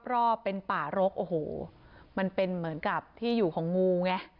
รอบเป็นป่ารกโอ้โหมันเป็นเหมือนกับที่อยู่ของงูไง